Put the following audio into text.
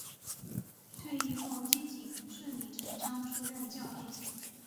退役后基瑾顺理成章出任教练。